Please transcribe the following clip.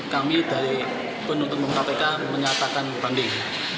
kami dari penuntut umum kpk menyatakan banding